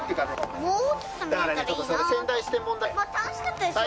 まあ楽しかったですよ。